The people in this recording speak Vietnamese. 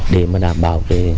để đảm bảo